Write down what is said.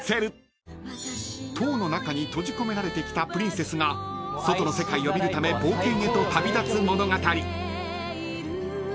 ［塔の中に閉じ込められてきたプリンセスが外の世界を見るため冒険へと旅立つ物語］